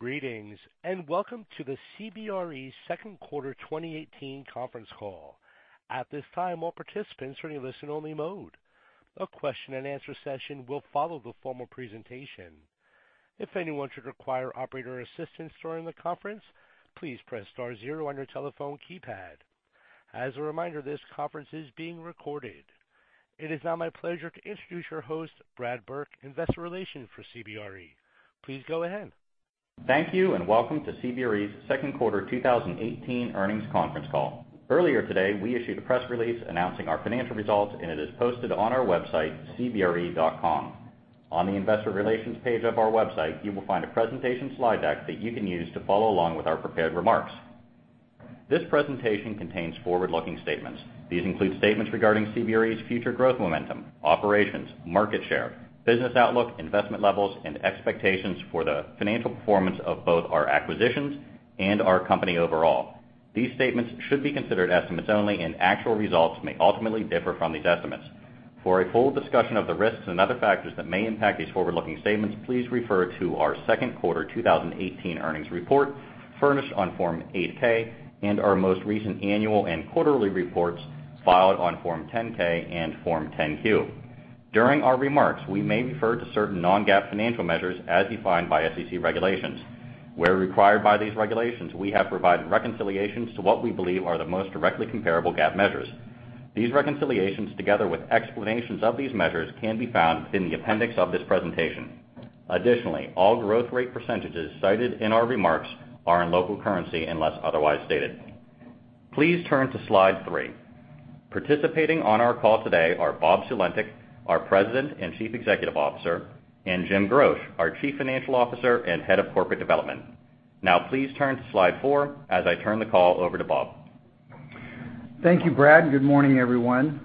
Greetings, welcome to the CBRE second quarter 2018 conference call. At this time, all participants are in listen-only mode. A question-and-answer session will follow the formal presentation. If anyone should require operator assistance during the conference, please press star 0 on your telephone keypad. As a reminder, this conference is being recorded. It is now my pleasure to introduce your host, Brad Burke, Investor Relations for CBRE. Please go ahead. Thank you, welcome to CBRE's second quarter 2018 earnings conference call. Earlier today, we issued a press release announcing our financial results, it is posted on our website, cbre.com. On the Investor Relations page of our website, you will find a presentation slide deck that you can use to follow along with our prepared remarks. This presentation contains forward-looking statements. These include statements regarding CBRE's future growth, momentum, operations, market share, business outlook, investment levels, and expectations for the financial performance of both our acquisitions and our company overall. These statements should be considered estimates only. Actual results may ultimately differ from these estimates. For a full discussion of the risks and other factors that may impact these forward-looking statements, please refer to our second quarter 2018 earnings report, furnished on Form 8-K, our most recent annual and quarterly reports filed on Form 10-K and Form 10-Q. During our remarks, we may refer to certain non-GAAP financial measures as defined by SEC regulations. Where required by these regulations, we have provided reconciliations to what we believe are the most directly comparable GAAP measures. These reconciliations, together with explanations of these measures, can be found within the appendix of this presentation. Additionally, all growth rate % cited in our remarks are in local currency unless otherwise stated. Please turn to Slide 3. Participating on our call today are Bob Sulentic, our President and Chief Executive Officer, Jim Groch, our Chief Financial Officer and Head of Corporate Development. Please turn to Slide 4 as I turn the call over to Bob. Thank you, Brad. Good morning, everyone.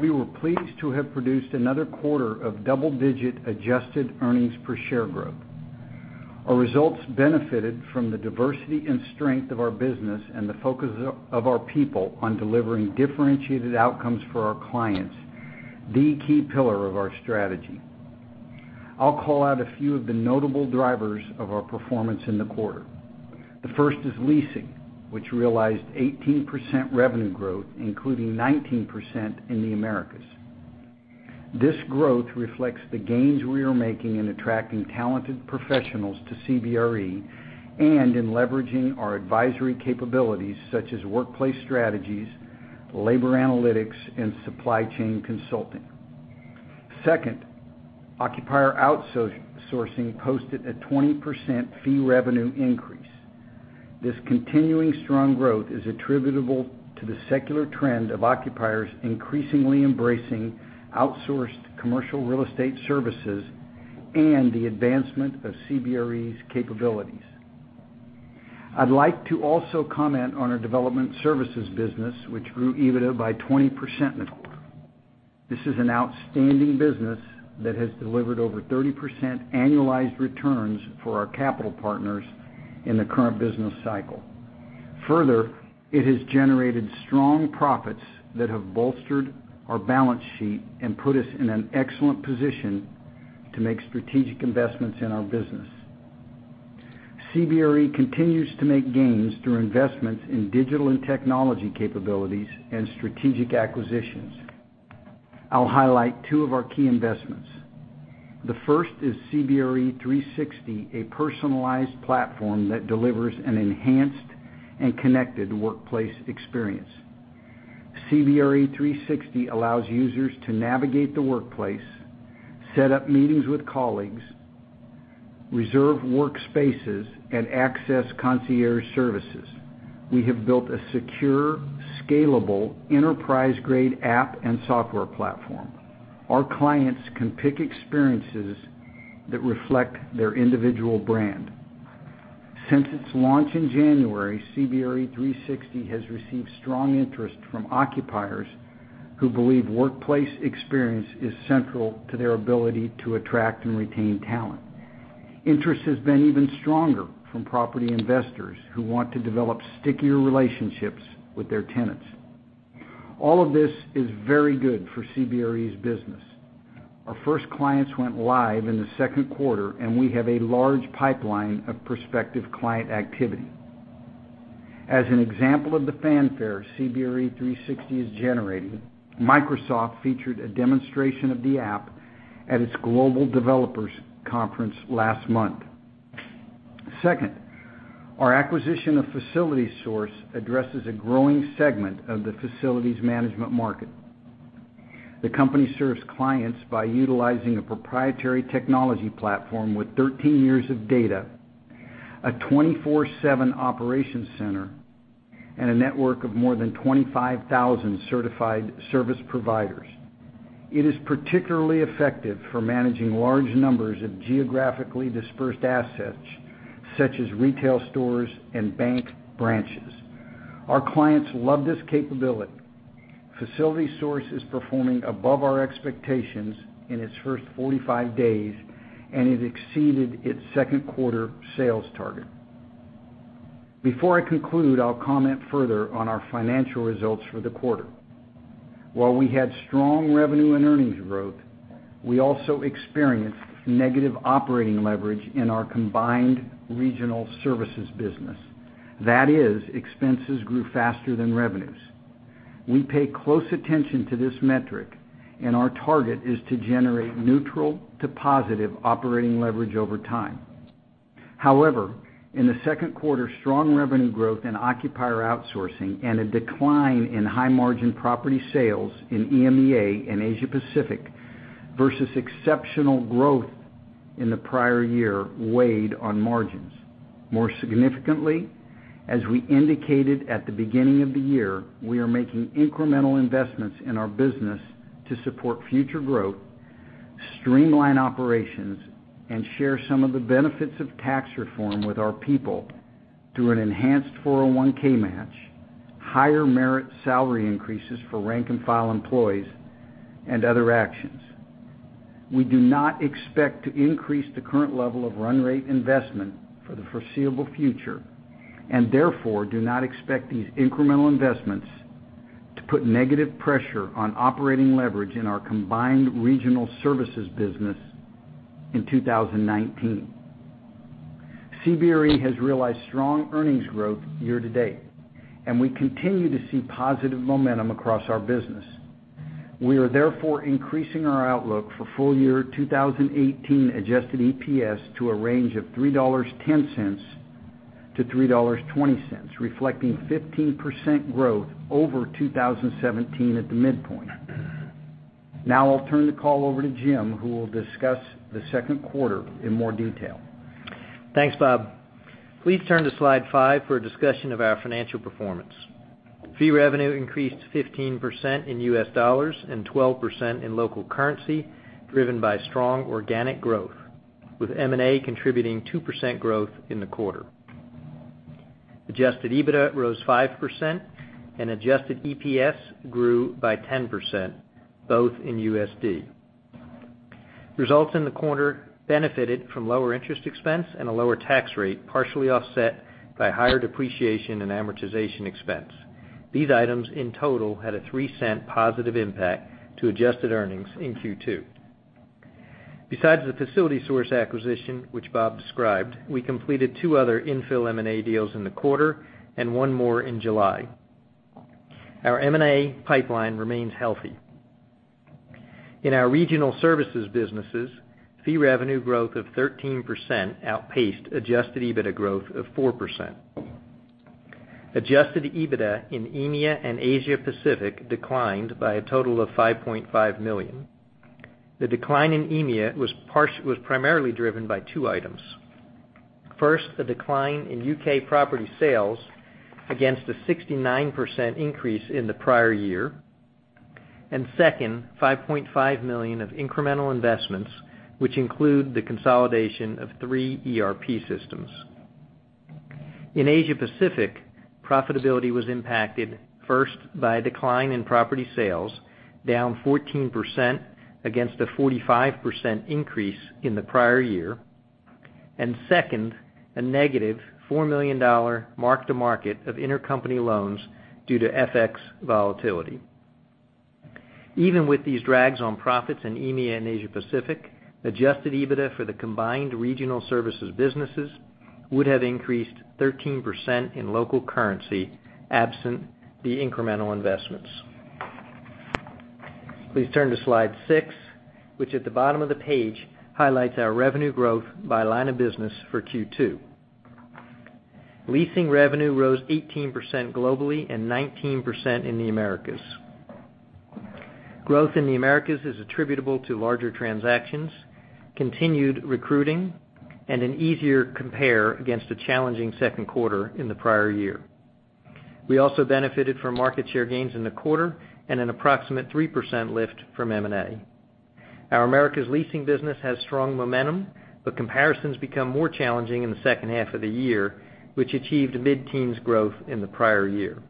We were pleased to have produced another quarter of double-digit adjusted EPS growth. Our results benefited from the diversity and strength of our business and the focus of our people on delivering differentiated outcomes for our clients, the key pillar of our strategy. I'll call out a few of the notable drivers of our performance in the quarter. The first is leasing, which realized 18% revenue growth, including 19% in the Americas. This growth reflects the gains we are making in attracting talented professionals to CBRE and in leveraging our advisory capabilities such as workplace strategies, labor analytics, and supply chain consulting. Second, occupier outsourcing posted a 20% fee revenue increase. This continuing strong growth is attributable to the secular trend of occupiers increasingly embracing outsourced commercial real estate services and the advancement of CBRE's capabilities. I'd like to also comment on our development services business, which grew EBITDA by 20% in the quarter. This is an outstanding business that has delivered over 30% annualized returns for our capital partners in the current business cycle. It has generated strong profits that have bolstered our balance sheet and put us in an excellent position to make strategic investments in our business. CBRE continues to make gains through investments in digital and technology capabilities and strategic acquisitions. I'll highlight two of our key investments. The first is CBRE 360, a personalized platform that delivers an enhanced and connected workplace experience. CBRE 360 allows users to navigate the workplace, set up meetings with colleagues, reserve workspaces, and access concierge services. We have built a secure, scalable, enterprise-grade app and software platform. Our clients can pick experiences that reflect their individual brand. Since its launch in January, CBRE 360 has received strong interest from occupiers who believe workplace experience is central to their ability to attract and retain talent. Interest has been even stronger from property investors who want to develop stickier relationships with their tenants. All of this is very good for CBRE's business. Our first clients went live in the second quarter, and we have a large pipeline of prospective client activity. As an example of the fanfare CBRE 360 is generating, Microsoft featured a demonstration of the app at its Global Developers Conference last month. Second, our acquisition of FacilitySource addresses a growing segment of the facilities management market. The company serves clients by utilizing a proprietary technology platform with 13 years of data, a 24/7 operations center, and a network of more than 25,000 certified service providers. It is particularly effective for managing large numbers of geographically dispersed assets, such as retail stores and bank branches. Our clients love this capability. FacilitySource is performing above our expectations in its first 45 days and it exceeded its second quarter sales target. Before I conclude, I'll comment further on our financial results for the quarter. While we had strong revenue and earnings growth, we also experienced negative operating leverage in our combined regional services business. That is, expenses grew faster than revenues. We pay close attention to this metric, and our target is to generate neutral to positive operating leverage over time. In the second quarter, strong revenue growth in occupier outsourcing and a decline in high-margin property sales in EMEA and Asia Pacific versus exceptional growth in the prior year weighed on margins. More significantly, as we indicated at the beginning of the year, we are making incremental investments in our business to support future growth, streamline operations, and share some of the benefits of tax reform with our people through an enhanced 401(k) match, higher merit salary increases for rank and file employees, and other actions. We do not expect to increase the current level of run rate investment for the foreseeable future and therefore do not expect these incremental investments to put negative pressure on operating leverage in our combined regional services business in 2019. CBRE has realized strong earnings growth year-to-date, and we continue to see positive momentum across our business. We are therefore increasing our outlook for full year 2018 adjusted EPS to a range of $3.10-$3.20, reflecting 15% growth over 2017 at the midpoint. Now I'll turn the call over to Jim, who will discuss the second quarter in more detail. Thanks, Bob. Please turn to slide five for a discussion of our financial performance. Fee revenue increased 15% in US dollars and 12% in local currency, driven by strong organic growth, with M&A contributing 2% growth in the quarter. Adjusted EBITDA rose 5%, and adjusted EPS grew by 10%, both in USD. Results in the quarter benefited from lower interest expense and a lower tax rate, partially offset by higher depreciation and amortization expense. These items in total had a $0.03 positive impact to adjusted earnings in Q2. Besides the FacilitySource acquisition, which Bob described, we completed two other infill M&A deals in the quarter and one more in July. Our M&A pipeline remains healthy. In our regional services businesses, fee revenue growth of 13% outpaced adjusted EBITDA growth of 4%. Adjusted EBITDA in EMEA and Asia Pacific declined by a total of $5.5 million. The decline in EMEA was primarily driven by two items. First, the decline in U.K. property sales against a 69% increase in the prior year. Second, $5.5 million of incremental investments, which include the consolidation of three ERP systems. In Asia Pacific, profitability was impacted first by a decline in property sales, down 14% against a 45% increase in the prior year. Second, a negative $4 million mark-to-market of intercompany loans due to FX volatility. Even with these drags on profits in EMEA and Asia Pacific, adjusted EBITDA for the combined regional services businesses would have increased 13% in local currency, absent the incremental investments. Please turn to slide six, which at the bottom of the page highlights our revenue growth by line of business for Q2. Leasing revenue rose 18% globally and 19% in the Americas. Growth in the Americas is attributable to larger transactions, continued recruiting, and an easier compare against a challenging second quarter in the prior year. We also benefited from market share gains in the quarter and an approximate 3% lift from M&A. Our Americas leasing business has strong momentum, but comparisons become more challenging in the second half of the year, which achieved mid-teens growth in the prior year.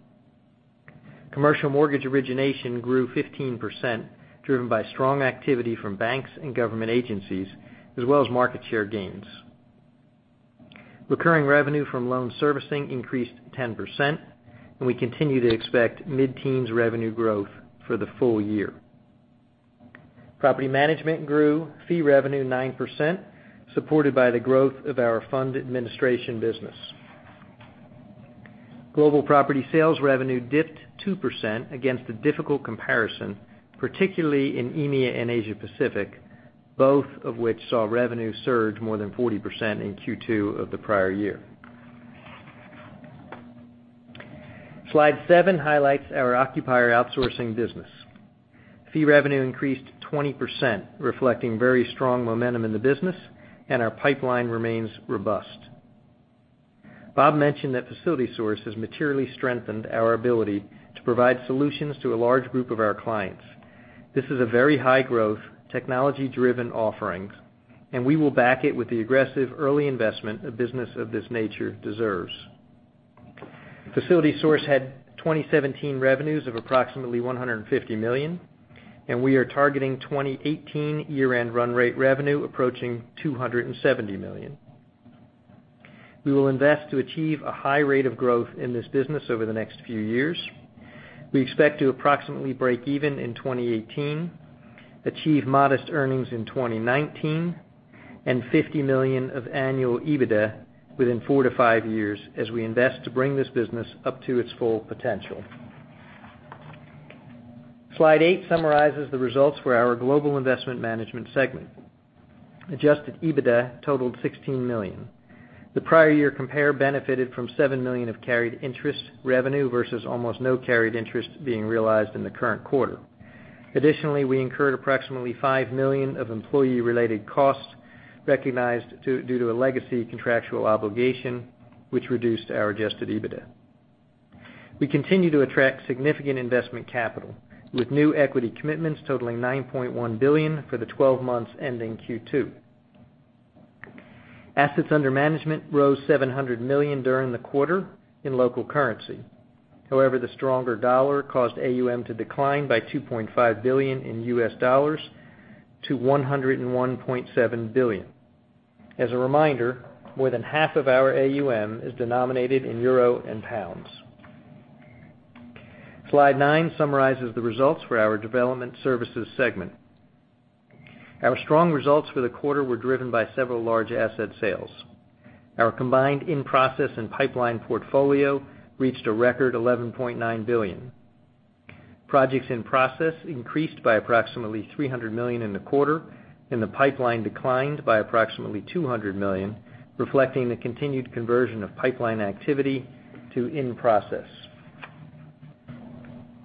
Commercial mortgage origination grew 15%, driven by strong activity from banks and government agencies, as well as market share gains. Recurring revenue from loan servicing increased 10%, and we continue to expect mid-teens revenue growth for the full year. Property management grew fee revenue 9%, supported by the growth of our fund administration business. Global property sales revenue dipped 2% against a difficult comparison, particularly in EMEA and Asia Pacific, both of which saw revenue surge more than 40% in Q2 of the prior year. Slide seven highlights our occupier outsourcing business. Fee revenue increased 20%, reflecting very strong momentum in the business, and our pipeline remains robust. Bob mentioned that FacilitySource has materially strengthened our ability to provide solutions to a large group of our clients. This is a very high-growth, technology-driven offering, and we will back it with the aggressive early investment a business of this nature deserves. FacilitySource had 2017 revenues of approximately $150 million, and we are targeting 2018 year-end run rate revenue approaching $270 million. We will invest to achieve a high rate of growth in this business over the next few years. We expect to approximately break even in 2018, achieve modest earnings in 2019, and $50 million of annual EBITDA within four to five years as we invest to bring this business up to its full potential. Slide eight summarizes the results for our global investment management segment. Adjusted EBITDA totaled $16 million. The prior year compare benefited from $7 million of carried interest revenue versus almost no carried interest being realized in the current quarter. Additionally, we incurred approximately $5 million of employee-related costs recognized due to a legacy contractual obligation, which reduced our adjusted EBITDA. We continue to attract significant investment capital with new equity commitments totaling $9.1 billion for the 12 months ending Q2. Assets under management rose $700 million during the quarter in local currency. However, the stronger dollar caused AUM to decline by $2.5 billion in US dollars to $101.7 billion. As a reminder, more than half of our AUM is denominated in euro and pounds. Slide nine summarizes the results for our development services segment. Our strong results for the quarter were driven by several large asset sales. Our combined in-process and pipeline portfolio reached a record $11.9 billion. Projects in process increased by approximately $300 million in the quarter, and the pipeline declined by approximately $200 million, reflecting the continued conversion of pipeline activity to in-process.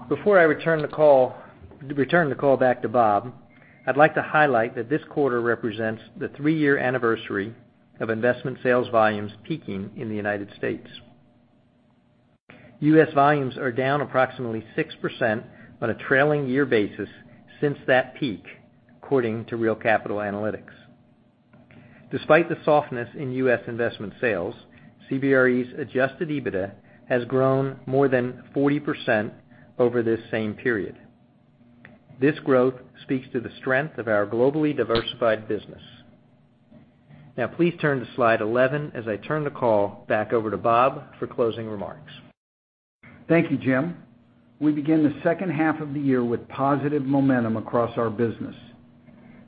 Before I return the call back to Bob, I'd like to highlight that this quarter represents the three-year anniversary of investment sales volumes peaking in the United States. US volumes are down approximately 6% on a trailing year basis since that peak according to Real Capital Analytics. Despite the softness in US investment sales, CBRE's adjusted EBITDA has grown more than 40% over this same period. This growth speaks to the strength of our globally diversified business. Please turn to slide 11 as I turn the call back over to Bob for closing remarks. Thank you, Jim. We begin the second half of the year with positive momentum across our business.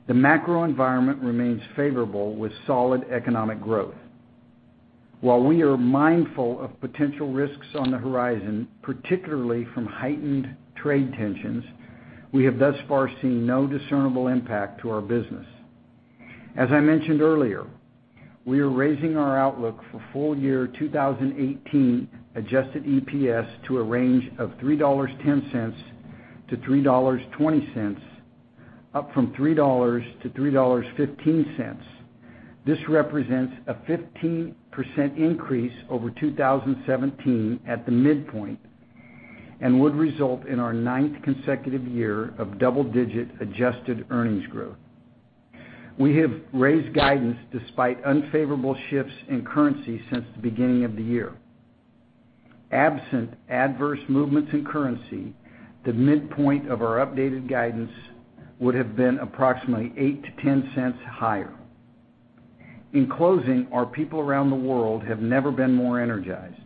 The macro environment remains favorable with solid economic growth. While we are mindful of potential risks on the horizon, particularly from heightened trade tensions, we have thus far seen no discernible impact to our business. As I mentioned earlier, we are raising our outlook for full year 2018 adjusted EPS to a range of $3.10-$3.20, up from $3-$3.15. This represents a 15% increase over 2017 at the midpoint and would result in our ninth consecutive year of double-digit adjusted earnings growth. We have raised guidance despite unfavorable shifts in currency since the beginning of the year. Absent adverse movements in currency, the midpoint of our updated guidance would have been approximately $0.08-$0.10 higher. Our people around the world have never been more energized.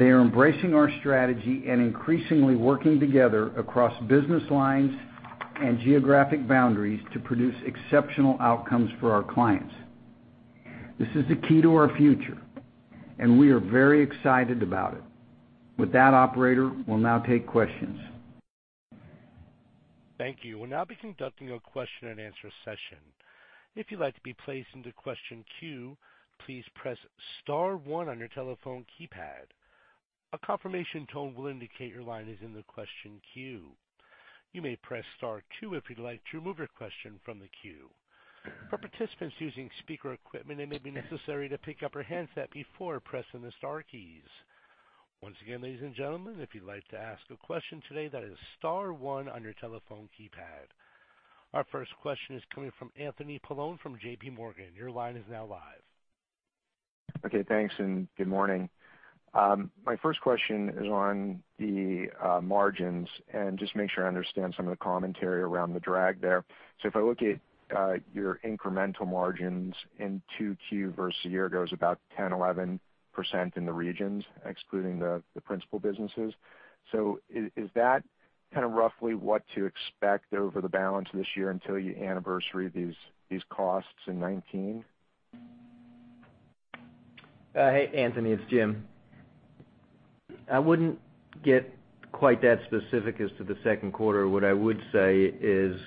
They are embracing our strategy and increasingly working together across business lines and geographic boundaries to produce exceptional outcomes for our clients. This is the key to our future, we are very excited about it. Operator, we'll now take questions. Thank you. We'll now be conducting a question and answer session. If you'd like to be placed into question queue, please press *1 on your telephone keypad. A confirmation tone will indicate your line is in the question queue. You may press *2 if you'd like to remove your question from the queue. For participants using speaker equipment, it may be necessary to pick up your handset before pressing the star keys. Ladies and gentlemen, if you'd like to ask a question today, that is *1 on your telephone keypad. Our first question is coming from Anthony Paolone from JPMorgan. Your line is now live. Okay, thanks, and good morning. My first question is on the margins and just make sure I understand some of the commentary around the drag there. If I look at your incremental margins in 2Q versus a year ago is about 10%, 11% in the regions, excluding the principal businesses. Is that kind of roughly what to expect over the balance of this year until you anniversary these costs in 2019? Hey, Anthony, it's Jim. I wouldn't get quite that specific as to the second quarter. What I would say is,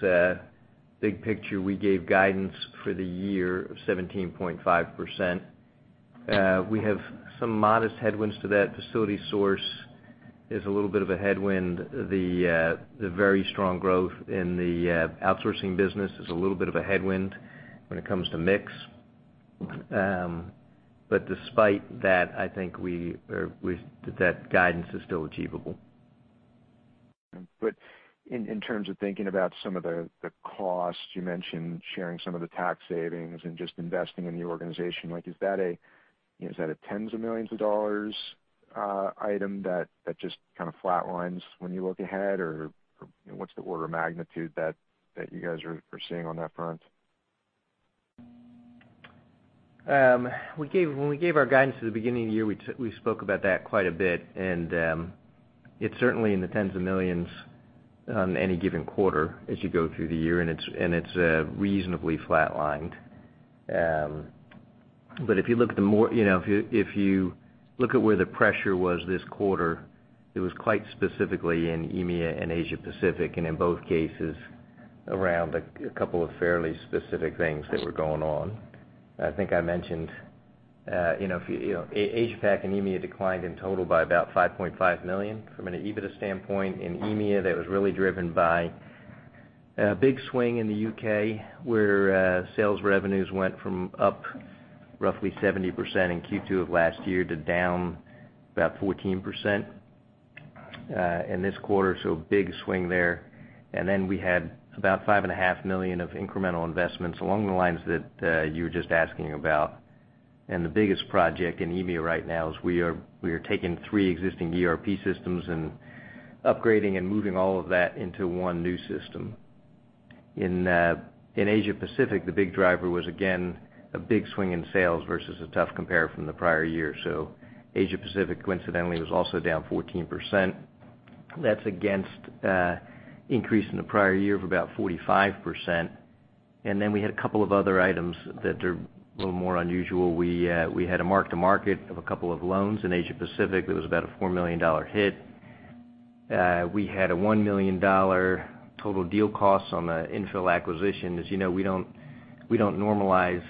big picture, we gave guidance for the year of 17.5%. We have some modest headwinds to that. FacilitySource is a little bit of a headwind. The very strong growth in the outsourcing business is a little bit of a headwind when it comes to mix. Despite that, I think that guidance is still achievable. In terms of thinking about some of the costs, you mentioned sharing some of the tax savings and just investing in the organization. Is that a tens of millions of dollars item that just kind of flatlines when you look ahead, or what's the order of magnitude that you guys are seeing on that front? When we gave our guidance at the beginning of the year, we spoke about that quite a bit, and it's certainly in the tens of millions on any given quarter as you go through the year, and it's reasonably flat lined. If you look at where the pressure was this quarter, it was quite specifically in EMEA and Asia Pacific, and in both cases, around a couple of fairly specific things that were going on. I think I mentioned Asia Pac and EMEA declined in total by about $5.5 million from an EBITDA standpoint. In EMEA, that was really driven by a big swing in the U.K., where sales revenues went from up roughly 70% in Q2 of last year to down about 14% in this quarter, big swing there. We had about $5.5 million of incremental investments along the lines that you were just asking about. The biggest project in EMEA right now is we are taking three existing ERP systems and upgrading and moving all of that into one new system. In Asia Pacific, the big driver was, again, a big swing in sales versus a tough compare from the prior year. Asia Pacific coincidentally was also down 14%. That's against increase in the prior year of about 45%. We had a couple of other items that are a little more unusual. We had a mark to market of a couple of loans in Asia Pacific. That was about a $4 million hit. We had a $1 million total deal cost on the infill acquisition. As you know, we don't normalize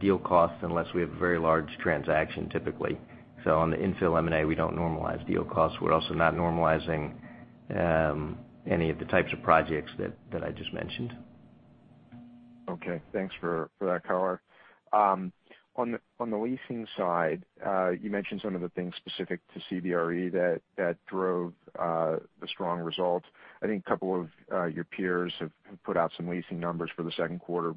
deal costs unless we have a very large transaction, typically. On the infill M&A, we don't normalize deal costs. We're also not normalizing any of the types of projects that I just mentioned. Okay, thanks for that color. On the leasing side, you mentioned some of the things specific to CBRE that drove the strong results. I think a couple of your peers have put out some leasing numbers for the second quarter,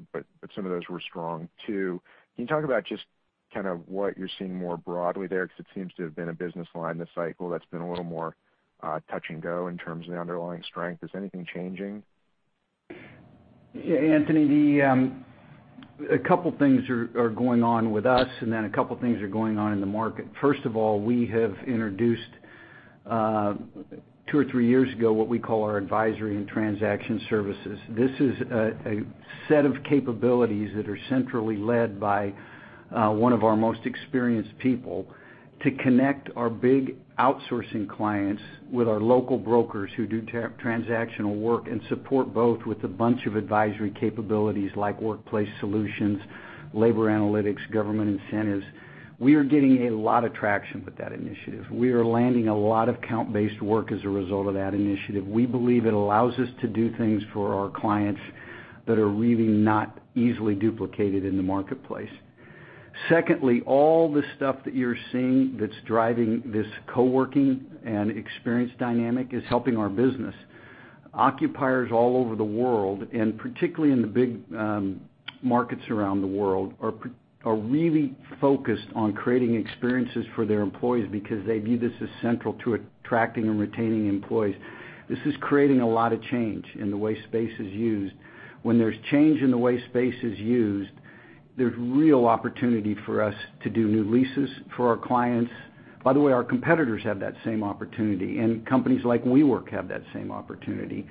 some of those were strong, too. Can you talk about just kind of what you're seeing more broadly there? Because it seems to have been a business line this cycle that's been a little more touch and go in terms of the underlying strength. Is anything changing? Yeah, Anthony, a couple things are going on with us, a couple things are going on in the market. First of all, we have introduced, two or three years ago, what we call our Advisory & Transaction Services. This is a set of capabilities that are centrally led by one of our most experienced people to connect our big outsourcing clients with our local brokers who do transactional work and support both with a bunch of advisory capabilities like workplace solutions, labor analytics, government incentives. We are getting a lot of traction with that initiative. We are landing a lot of count-based work as a result of that initiative. We believe it allows us to do things for our clients that are really not easily duplicated in the marketplace. Secondly, all the stuff that you're seeing that's driving this co-working and experience dynamic is helping our business. Occupiers all over the world, and particularly in the big markets around the world, are really focused on creating experiences for their employees because they view this as central to attracting and retaining employees. This is creating a lot of change in the way space is used. When there's change in the way space is used, there's real opportunity for us to do new leases for our clients. By the way, our competitors have that same opportunity, and companies like WeWork have that same opportunity.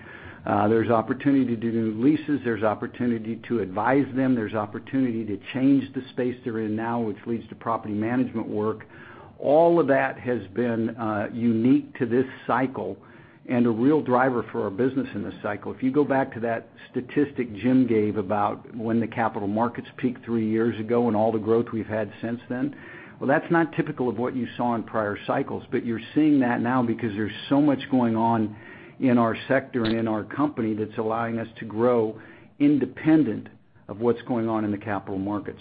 There's opportunity to do new leases. There's opportunity to advise them. There's opportunity to change the space they're in now, which leads to property management work. All of that has been unique to this cycle and a real driver for our business in this cycle. If you go back to that statistic Jim gave about when the capital markets peaked three years ago and all the growth we've had since then, well, that's not typical of what you saw in prior cycles. You're seeing that now because there's so much going on in our sector and in our company that's allowing us to grow independent of what's going on in the capital markets.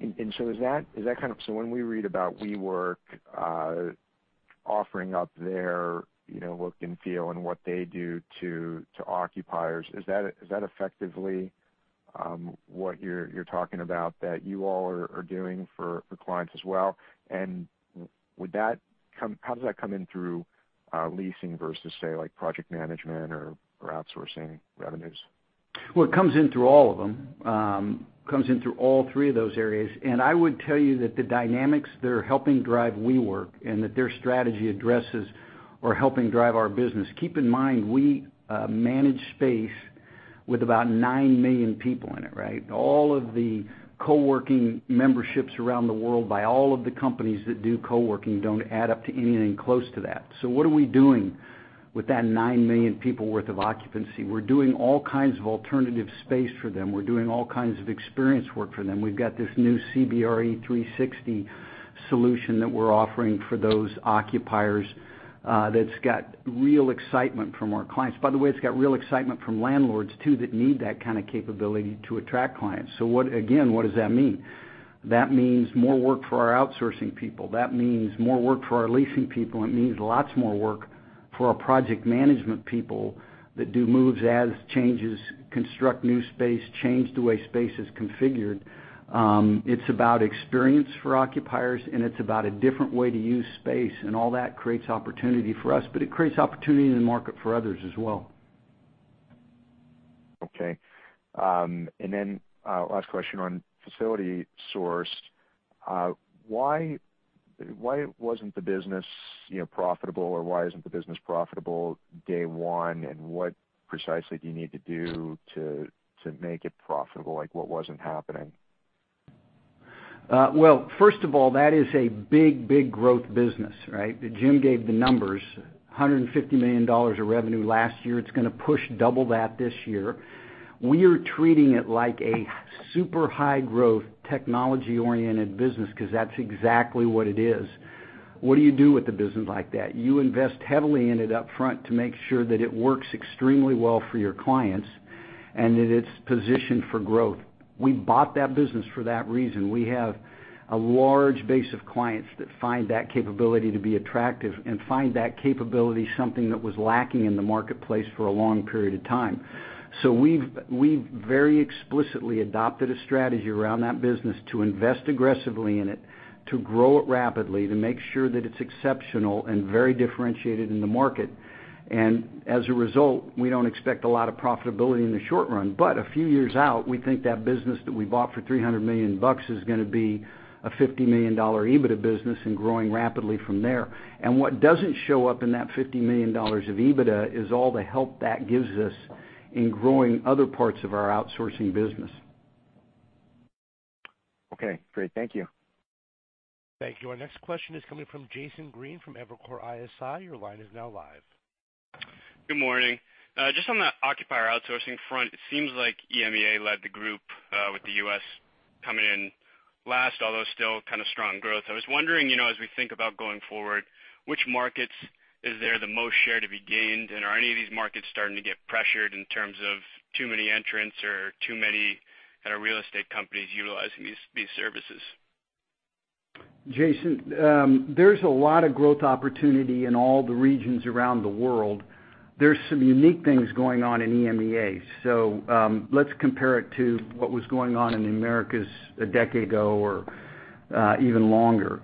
When we read about WeWork offering up their look and feel and what they do to occupiers, is that effectively what you're talking about that you all are doing for clients as well? How does that come in through leasing versus, say, like project management or outsourcing revenues? Well, it comes in through all of them. Comes in through all three of those areas. I would tell you that the dynamics that are helping drive WeWork and that their strategy addresses are helping drive our business. Keep in mind, we manage space with about 9 million people in it, right? All of the co-working memberships around the world by all of the companies that do co-working don't add up to anything close to that. What are we doing with that 9 million people worth of occupancy? We're doing all kinds of alternative space for them. We're doing all kinds of experience work for them. We've got this new CBRE 360 solution that we're offering for those occupiers that's got real excitement from our clients. By the way, it's got real excitement from landlords, too, that need that kind of capability to attract clients. Again, what does that mean? That means more work for our outsourcing people. That means more work for our leasing people. It means lots more work for our project management people that do moves as changes, construct new space, change the way space is configured. It's about experience for occupiers, and it's about a different way to use space, and all that creates opportunity for us, but it creates opportunity in the market for others as well. Okay. Then last question on FacilitySource. Why wasn't the business profitable or why isn't the business profitable day one and what precisely do you need to do to make it profitable? What wasn't happening? Well, first of all, that is a big growth business, right? Jim gave the numbers, $150 million of revenue last year. It's going to push double that this year. We're treating it like a super high growth technology-oriented business because that's exactly what it is. What do you do with a business like that? You invest heavily in it up front to make sure that it works extremely well for your clients and that it's positioned for growth. We bought that business for that reason. We have a large base of clients that find that capability to be attractive and find that capability something that was lacking in the marketplace for a long period of time. We've very explicitly adopted a strategy around that business to invest aggressively in it, to grow it rapidly, to make sure that it's exceptional and very differentiated in the market. As a result, we don't expect a lot of profitability in the short run. A few years out, we think that business that we bought for $300 million is going to be a $50 million EBITDA business and growing rapidly from there. What doesn't show up in that $50 million of EBITDA is all the help that gives us in growing other parts of our outsourcing business. Okay, great. Thank you. Thank you. Our next question is coming from Jason Green from Evercore ISI. Your line is now live. Good morning. Just on the occupier outsourcing front, it seems like EMEA led the group, with the U.S. coming in last, although still kind of strong growth. I was wondering, as we think about going forward, which markets is there the most share to be gained, and are any of these markets starting to get pressured in terms of too many entrants or too many real estate companies utilizing these services? Jason, there's a lot of growth opportunity in all the regions around the world. There's some unique things going on in EMEA. Let's compare it to what was going on in the Americas a decade ago or even longer.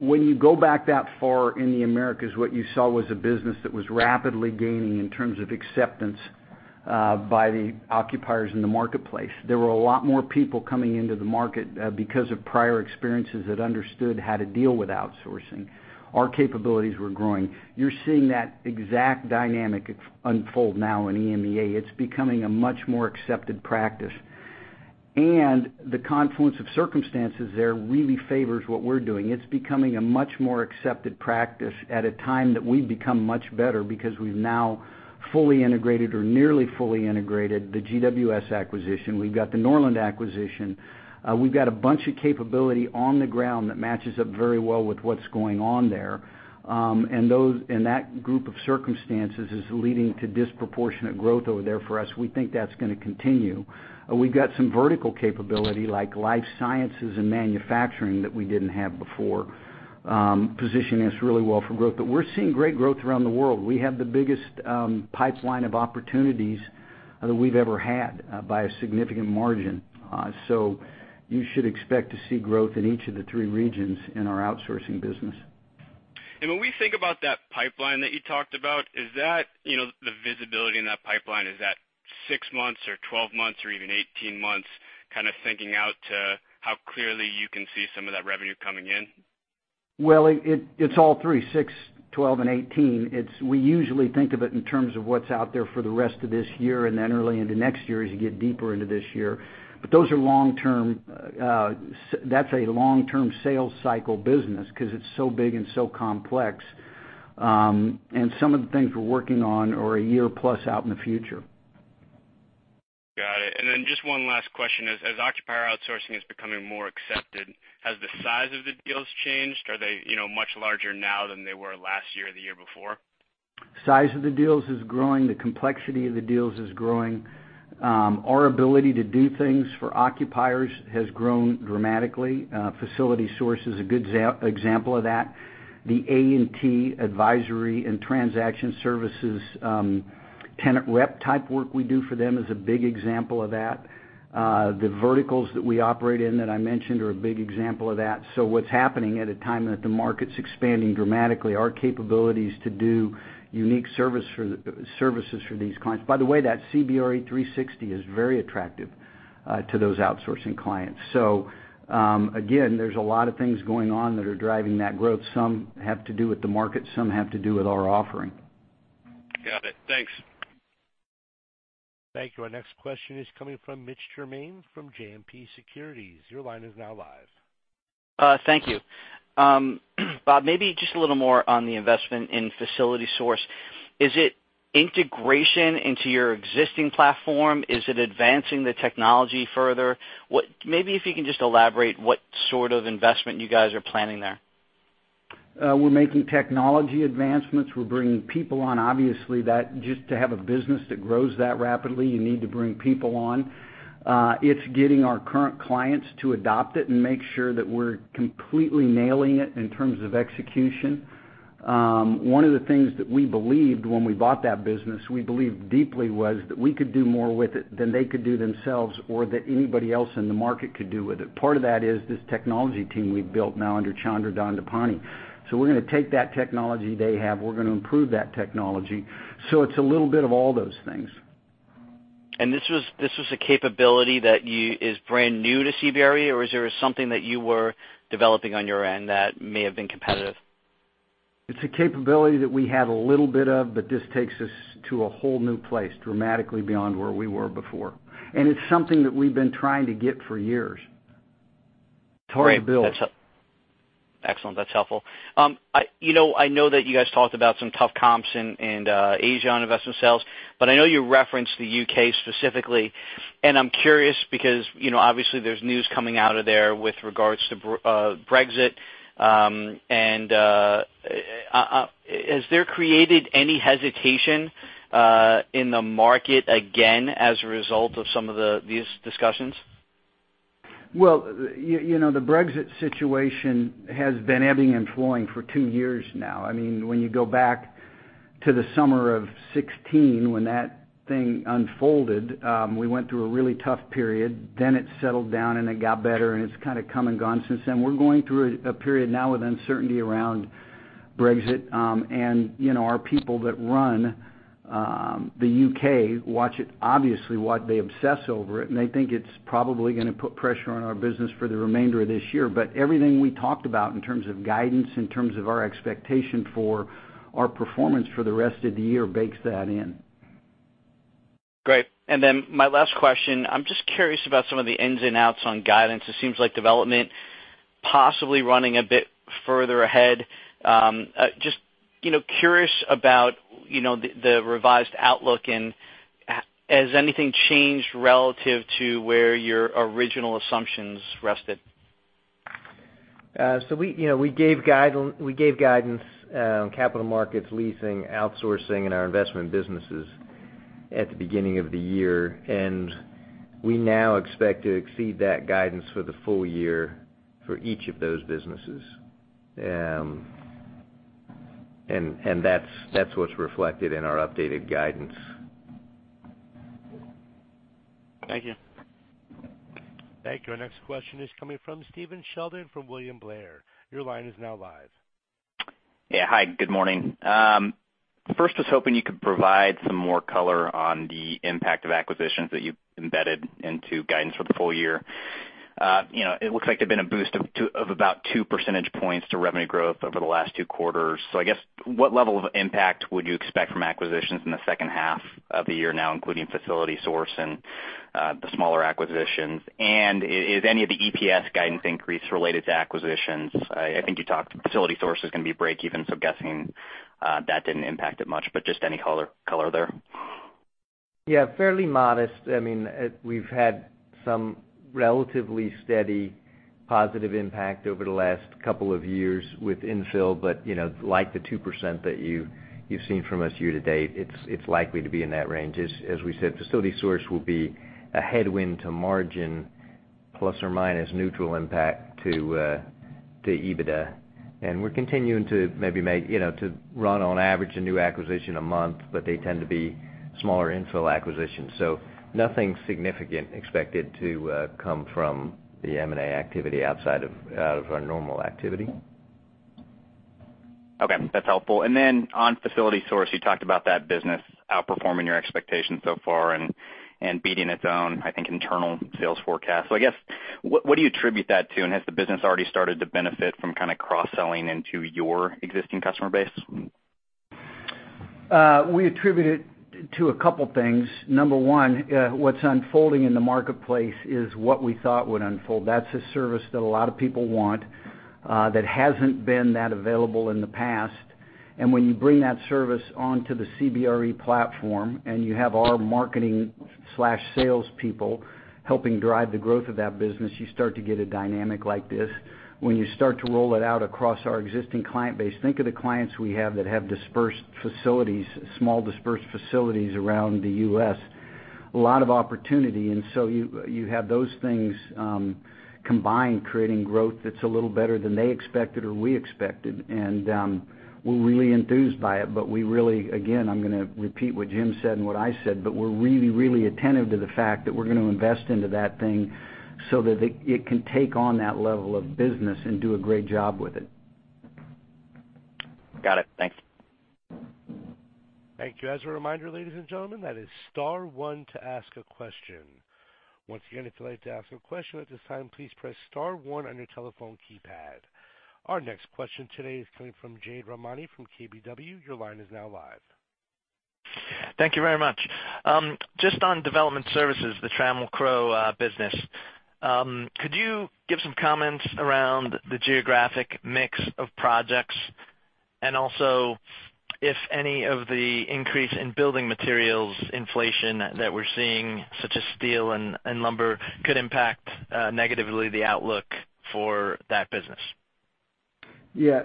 When you go back that far in the Americas, what you saw was a business that was rapidly gaining in terms of acceptance by the occupiers in the marketplace. There were a lot more people coming into the market because of prior experiences that understood how to deal with outsourcing. Our capabilities were growing. You're seeing that exact dynamic unfold now in EMEA. It's becoming a much more accepted practice. The confluence of circumstances there really favors what we're doing. It's becoming a much more accepted practice at a time that we've become much better because we've now fully integrated or nearly fully integrated the GWS acquisition. We've got the Norland acquisition. We've got a bunch of capability on the ground that matches up very well with what's going on there. That group of circumstances is leading to disproportionate growth over there for us. We think that's going to continue. We've got some vertical capability like life sciences and manufacturing that we didn't have before, positioning us really well for growth. We're seeing great growth around the world. We have the biggest pipeline of opportunities that we've ever had by a significant margin. You should expect to see growth in each of the three regions in our outsourcing business. When we think about that pipeline that you talked about, the visibility in that pipeline, is that six months or 12 months or even 18 months, kind of thinking out to how clearly you can see some of that revenue coming in? Well, it's all three, six, 12, and 18. We usually think of it in terms of what's out there for the rest of this year and then early into next year as you get deeper into this year. That's a long-term sales cycle business because it's so big and so complex. Some of the things we're working on are a year plus out in the future. Got it. Just one last question. As occupier outsourcing is becoming more accepted, has the size of the deals changed? Are they much larger now than they were last year or the year before? Size of the deals is growing. The complexity of the deals is growing. Our ability to do things for occupiers has grown dramatically. FacilitySource is a good example of that. The A&T, advisory and transaction services, tenant rep type work we do for them is a big example of that. The verticals that we operate in that I mentioned are a big example of that. What's happening at a time that the market's expanding dramatically, our capabilities to do unique services for these clients. By the way, that CBRE 360 is very attractive to those outsourcing clients. Again, there's a lot of things going on that are driving that growth. Some have to do with the market, some have to do with our offering. Got it. Thanks. Thank you. Our next question is coming from Mitch Germain from JMP Securities. Your line is now live. Thank you. Bob, maybe just a little more on the investment in FacilitySource. Is it integration into your existing platform? Is it advancing the technology further? Maybe if you can just elaborate what sort of investment you guys are planning there. We're making technology advancements. We're bringing people on. Obviously, just to have a business that grows that rapidly, you need to bring people on. It's getting our current clients to adopt it and make sure that we're completely nailing it in terms of execution. One of the things that we believed when we bought that business, we believed deeply was that we could do more with it than they could do themselves, or that anybody else in the market could do with it. Part of that is this technology team we've built now under Chandra Dhandapani. We're going to take that technology they have, we're going to improve that technology. It's a little bit of all those things. This was a capability that is brand new to CBRE, or is there something that you were developing on your end that may have been competitive? It's a capability that we had a little bit of, but this takes us to a whole new place, dramatically beyond where we were before. It's something that we've been trying to get for years. It's hard to build. Great. Excellent. That's helpful. I know that you guys talked about some tough comps in Asia on investment sales, but I know you referenced the U.K. specifically, and I'm curious because obviously there's news coming out of there with regards to Brexit. Has there created any hesitation in the market again as a result of some of these discussions? Well, the Brexit situation has been ebbing and flowing for two years now. When you go back to the summer of 2016, when that thing unfolded, we went through a really tough period. It settled down, and it got better, and it's kind of come and gone since then. We're going through a period now with uncertainty around Brexit. Our people that run the U.K. watch it, obviously, they obsess over it, and they think it's probably going to put pressure on our business for the remainder of this year. Everything we talked about in terms of guidance, in terms of our expectation for our performance for the rest of the year, bakes that in. Great. My last question, I'm just curious about some of the ins and outs on guidance. It seems like development possibly running a bit further ahead. Just curious about the revised outlook. Has anything changed relative to where your original assumptions rested? We gave guidance on capital markets, leasing, outsourcing, and our investment businesses at the beginning of the year. We now expect to exceed that guidance for the full year for each of those businesses. That's what's reflected in our updated guidance. Thank you. Thank you. Our next question is coming from Stephen Sheldon from William Blair. Your line is now live. Yeah. Hi, good morning. I was hoping you could provide some more color on the impact of acquisitions that you've embedded into guidance for the full year. It looks like they've been a boost of about two percentage points to revenue growth over the last two quarters. I guess, what level of impact would you expect from acquisitions in the second half of the year now, including FacilitySource and the smaller acquisitions? Is any of the EPS guidance increase related to acquisitions? I think you talked FacilitySource is going to be breakeven, guessing that didn't impact it much, but just any color there? Yeah, fairly modest. We've had some relatively steady positive impact over the last couple of years with infill, but like the 2% that you've seen from us year to date, it's likely to be in that range. As we said, FacilitySource will be a headwind to margin, plus or minus neutral impact to EBITDA. We're continuing to run on average a new acquisition a month, they tend to be smaller infill acquisitions. Nothing significant expected to come from the M&A activity outside of our normal activity. Okay. That's helpful. Then on FacilitySource, you talked about that business outperforming your expectations so far and beating its own, I think, internal sales forecast. I guess, what do you attribute that to? Has the business already started to benefit from kind of cross-selling into your existing customer base? We attribute it to a couple things. Number one, what's unfolding in the marketplace is what we thought would unfold. That's a service that a lot of people want, that hasn't been that available in the past. When you bring that service onto the CBRE platform and you have our marketing/salespeople helping drive the growth of that business, you start to get a dynamic like this. When you start to roll it out across our existing client base, think of the clients we have that have dispersed facilities, small dispersed facilities around the U.S., a lot of opportunity. You have those things combined, creating growth that's a little better than they expected or we expected. We're really enthused by it, but we really, again, I'm going to repeat what Jim said and what I said, but we're really, really attentive to the fact that we're going to invest into that thing so that it can take on that level of business and do a great job with it. Got it. Thanks. Thank you. As a reminder, ladies and gentlemen, that is star one to ask a question. Once again, if you'd like to ask a question at this time, please press star one on your telephone keypad. Our next question today is coming from Jade Rahmani from KBW. Your line is now live. Thank you very much. Just on development services, the Trammell Crow Company business. Could you give some comments around the geographic mix of projects? Also, if any of the increase in building materials inflation that we're seeing, such as steel and lumber, could impact negatively the outlook for that business. Yeah.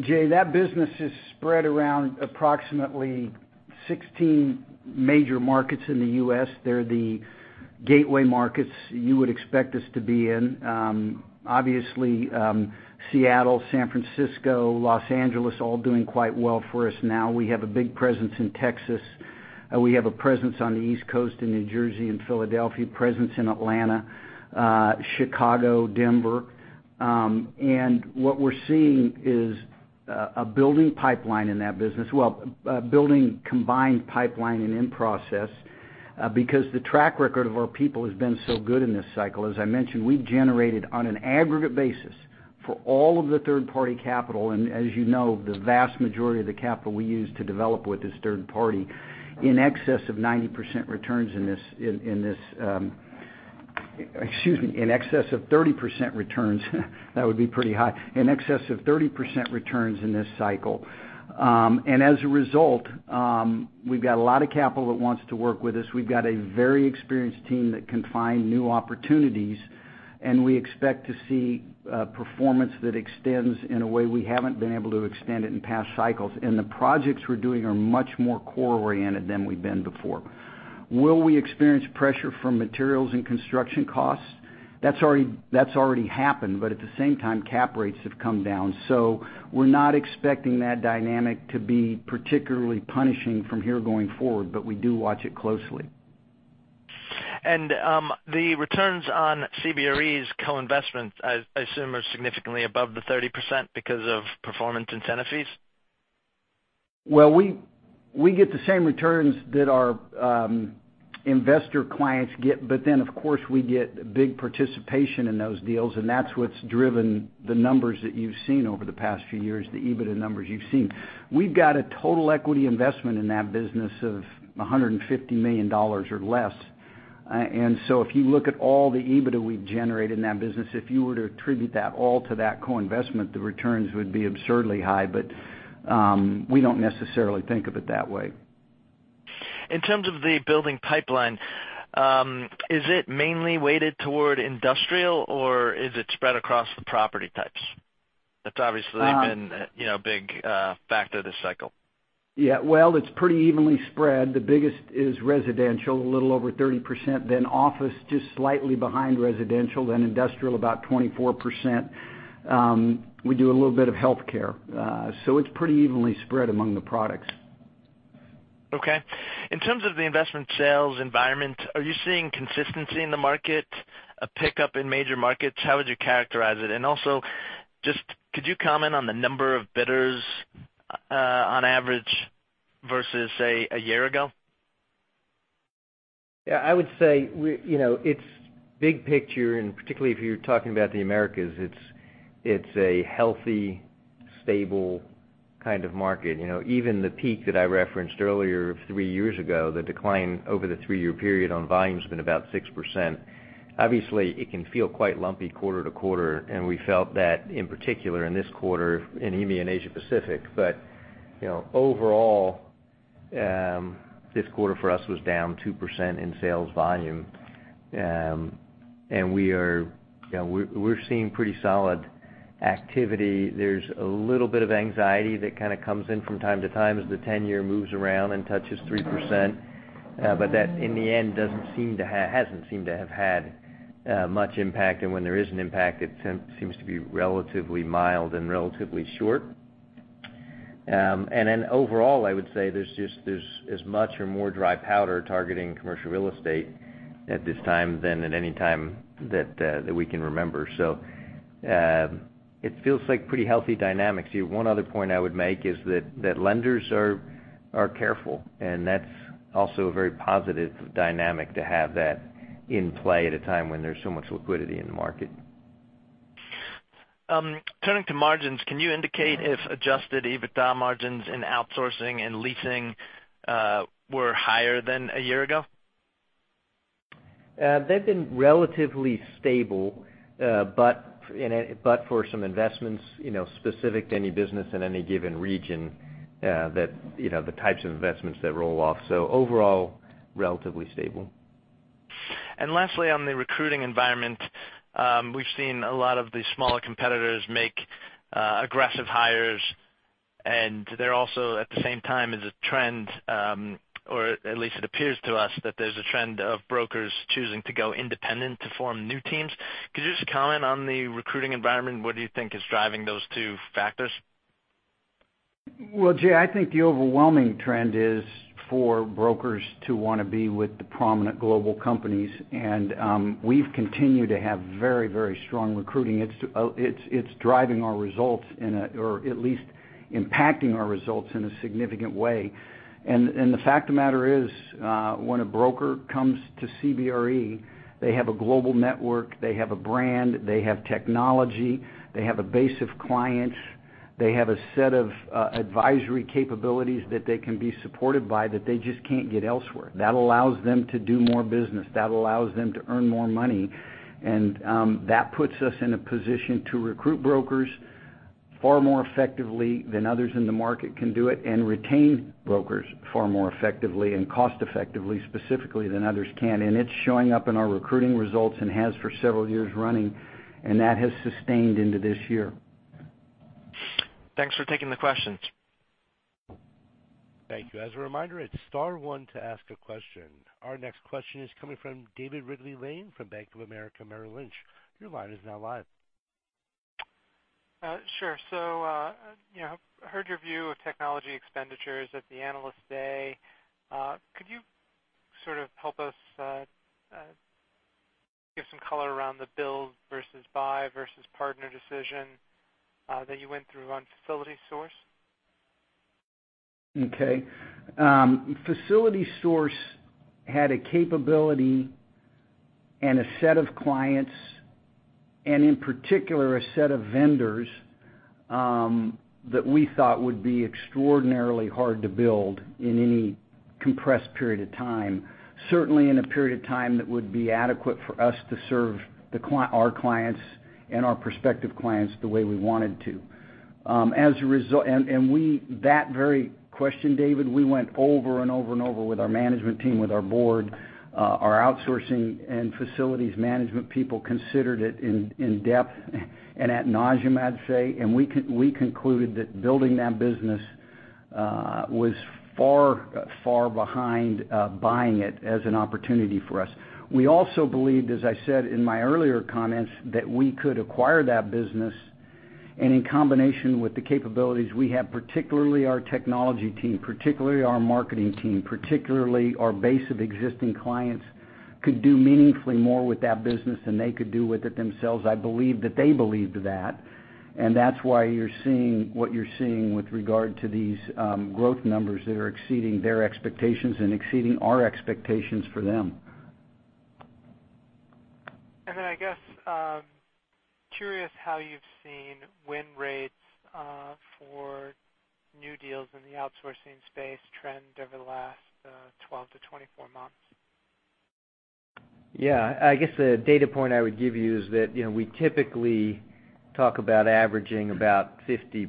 Jade, that business is spread around approximately 16 major markets in the U.S. They're the gateway markets you would expect us to be in. Obviously, Seattle, San Francisco, Los Angeles, all doing quite well for us now. We have a big presence in Texas. We have a presence on the East Coast in New Jersey and Philadelphia, presence in Atlanta, Chicago, Denver. What we're seeing is a building pipeline in that business. Well, a building combined pipeline and in-process, because the track record of our people has been so good in this cycle. As I mentioned, we've generated, on an aggregate basis, for all of the third-party capital, and as you know, the vast majority of the capital we use to develop with is third party, in excess of 30% returns. That would be pretty high. In excess of 30% returns in this cycle. As a result, we've got a lot of capital that wants to work with us. We've got a very experienced team that can find new opportunities, and we expect to see performance that extends in a way we haven't been able to extend it in past cycles. The projects we're doing are much more core-oriented than we've been before. Will we experience pressure from materials and construction costs? That's already happened, but at the same time, cap rates have come down. We're not expecting that dynamic to be particularly punishing from here going forward, but we do watch it closely. The returns on CBRE's co-investments, I assume, are significantly above the 30% because of performance incentive fees? We get the same returns that our investor clients get. Of course, we get big participation in those deals, and that's what's driven the numbers that you've seen over the past few years, the EBITDA numbers you've seen. We've got a total equity investment in that business of $150 million or less. If you look at all the EBITDA we've generated in that business, if you were to attribute that all to that co-investment, the returns would be absurdly high, we don't necessarily think of it that way. In terms of the building pipeline, is it mainly weighted toward industrial, or is it spread across the property types? That's obviously been a big factor this cycle. It's pretty evenly spread. The biggest is residential, a little over 30%, then office just slightly behind residential, then industrial about 24%. We do a little bit of healthcare. It's pretty evenly spread among the products. In terms of the investment sales environment, are you seeing consistency in the market, a pickup in major markets? How would you characterize it? Also, just could you comment on the number of bidders on average versus, say, a year ago? I would say, it's big picture, particularly if you're talking about the Americas, it's a healthy, stable kind of market. Even the peak that I referenced earlier, 3 years ago, the decline over the 3-year period on volume's been about 6%. Obviously, it can feel quite lumpy quarter to quarter, and we felt that in particular in this quarter in EMEA and Asia Pacific. Overall, this quarter for us was down 2% in sales volume. We're seeing pretty solid activity. There's a little bit of anxiety that kind of comes in from time to time as the 10-year moves around and touches 3%. That, in the end, hasn't seemed to have had much impact. When there is an impact, it seems to be relatively mild and relatively short. Overall, I would say there's just as much or more dry powder targeting commercial real estate at this time than at any time that we can remember. It feels like pretty healthy dynamics. One other point I would make is that lenders are careful, and that's also a very positive dynamic to have that in play at a time when there's so much liquidity in the market. Turning to margins, can you indicate if adjusted EBITDA margins in outsourcing and leasing were higher than a year ago? They've been relatively stable, but for some investments specific to any business in any given region, the types of investments that roll off. Overall, relatively stable. Lastly, on the recruiting environment, we've seen a lot of the smaller competitors make aggressive hires, and they're also, at the same time, is a trend, or at least it appears to us that there's a trend of brokers choosing to go independent to form new teams. Could you just comment on the recruiting environment? What do you think is driving those two factors? Well, Jade, I think the overwhelming trend is for brokers to want to be with the prominent global companies. We've continued to have very strong recruiting. It's driving our results, or at least impacting our results in a significant way. The fact of the matter is, when a broker comes to CBRE, they have a global network. They have a brand. They have technology. They have a base of clients. They have a set of advisory capabilities that they can be supported by that they just can't get elsewhere. That allows them to do more business. That allows them to earn more money. That puts us in a position to recruit brokers far more effectively than others in the market can do it, and retain brokers far more effectively and cost effectively, specifically than others can. It's showing up in our recruiting results and has for several years running, that has sustained into this year. Thanks for taking the question. Thank you. As a reminder, it's star one to ask a question. Our next question is coming from David Ridley-Lane from Bank of America Merrill Lynch. Your line is now live. Sure. Heard your view of technology expenditures at the Analyst Day. Could you sort of help us give some color around the build versus buy versus partner decision that you went through on FacilitySource? Okay. FacilitySource had a capability and a set of clients, and in particular, a set of vendors, that we thought would be extraordinarily hard to build in any compressed period of time, certainly in a period of time that would be adequate for us to serve our clients and our prospective clients the way we wanted to. That very question, David, we went over and over and over with our management team, with our board, our outsourcing and facilities management people considered it in depth and ad nauseam, I'd say. We concluded that building that business was far, far behind buying it as an opportunity for us. We also believed, as I said in my earlier comments, that we could acquire that business, and in combination with the capabilities we have, particularly our technology team, particularly our marketing team, particularly our base of existing clients, could do meaningfully more with that business than they could do with it themselves. I believe that they believed that, and that's why you're seeing what you're seeing with regard to these growth numbers that are exceeding their expectations and exceeding our expectations for them. Curious how you've seen win rates for new deals in the outsourcing space trend over the last 12-24 months. Yeah. I guess the data point I would give you is that we typically talk about averaging about 50%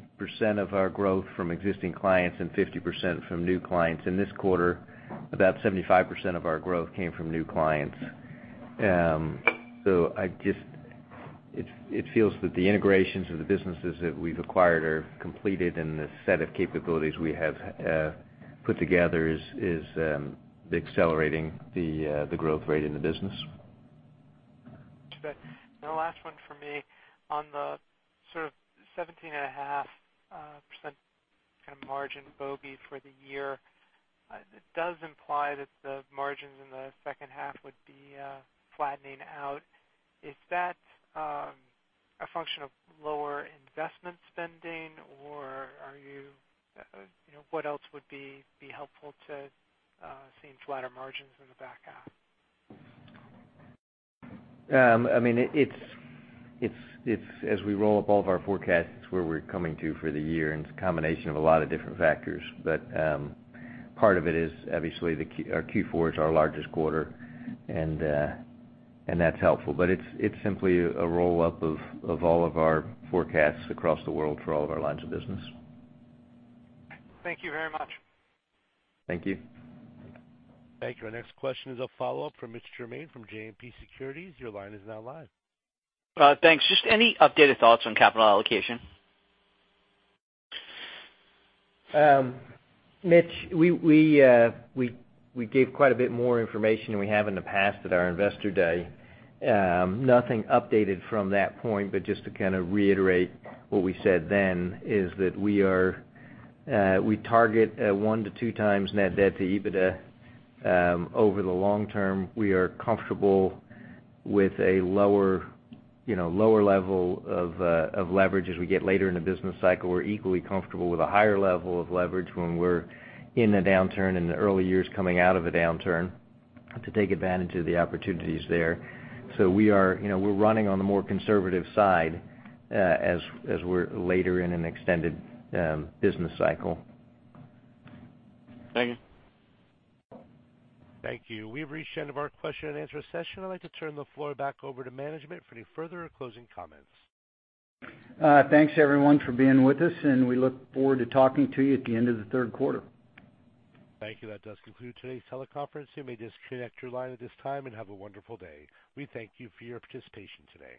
of our growth from existing clients and 50% from new clients. In this quarter, about 75% of our growth came from new clients. It feels that the integrations of the businesses that we've acquired are completed and the set of capabilities we have put together is accelerating the growth rate in the business. Too bad. The last one for me. On the sort of 17.5% kind of margin bogey for the year, it does imply that the margins in the second half would be flattening out. Is that a function of lower investment spending, or what else would be helpful to seeing flatter margins in the back half? As we roll up all of our forecasts, it's where we're coming to for the year, it's a combination of a lot of different factors. Part of it is obviously our Q4 is our largest quarter, that's helpful. It's simply a roll-up of all of our forecasts across the world for all of our lines of business. Thank you very much. Thank you. Thank you. Our next question is a follow-up from Mitch Germain from JMP Securities. Your line is now live. Thanks. Just any updated thoughts on capital allocation? Mitch, we gave quite a bit more information than we have in the past at our Investor Day. Nothing updated from that point, but just to kind of reiterate what we said then is that we target one to two times net debt to EBITDA over the long term. We are comfortable with a lower level of leverage as we get later in the business cycle. We're equally comfortable with a higher level of leverage when we're in a downturn in the early years coming out of a downturn to take advantage of the opportunities there. We're running on the more conservative side as we're later in an extended business cycle. Thank you. Thank you. We've reached the end of our question-and-answer session. I'd like to turn the floor back over to management for any further or closing comments. Thanks everyone for being with us. We look forward to talking to you at the end of the third quarter. Thank you. That does conclude today's teleconference. You may disconnect your line at this time, and have a wonderful day. We thank you for your participation today.